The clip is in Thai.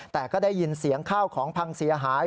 แต่ก็ได้ยินเสียงข้าวของพังเสียหาย